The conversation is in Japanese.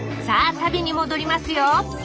さあ旅に戻りますよ！